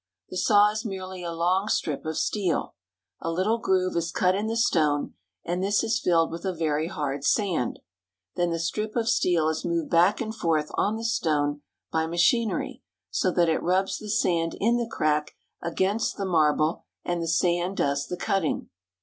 The saw is merely a long strip of steel. A little groove is cut in the stone, and this is filled with a very hard sand. Then the strip of steel is moved back and forth on the stone by machinery, so that it rubs the sand in the crack against the marble, and the sand does. the cutting.